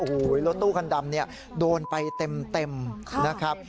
โอ้โหรถตู้คันดำเนี่ยโดนไปเต็มนะครับ